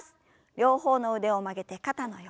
両方の腕を曲げて肩の横。